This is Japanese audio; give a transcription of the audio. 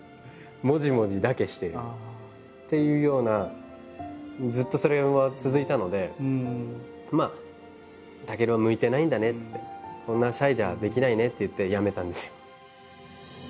もじもじだけしてるっていうようなずっとそれは続いたので「健は向いてないんだね」っつって「こんなシャイじゃできないね」って言ってやめたんですよ。